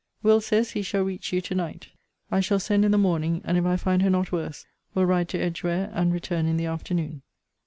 Will. says he shall reach you to night. I shall send in the morning; and, if I find her not worse, will ride to Edgware, and return in the afternoon.